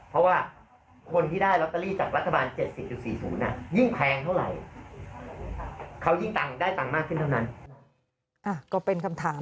เพราะว่า